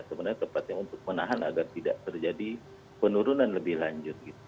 sebenarnya tempatnya untuk menahan agar tidak terjadi penurunan lebih lanjut